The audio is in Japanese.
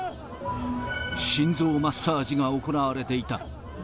心臓マッサージが行われていた。